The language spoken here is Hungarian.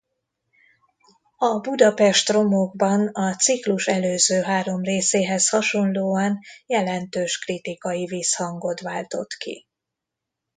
A Budapest romokban a ciklus előző három részéhez hasonlóan jelentős kritikai visszhangot váltott ki.